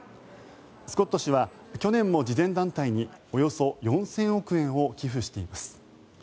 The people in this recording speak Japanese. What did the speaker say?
スコット氏は去年も慈善団体におよそ４０００億円を寄付しています。